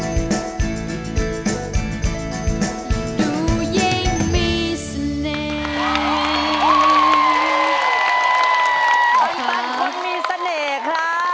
อยากจะได้แอบอิ่ง